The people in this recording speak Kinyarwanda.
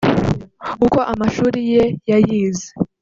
uko amashuri ye yayize